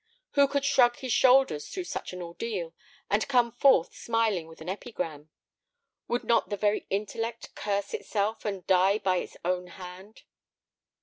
Who could shrug his shoulders through such an ordeal and come forth smiling with an epigram? Would not the very intellect curse itself and die by its own hand?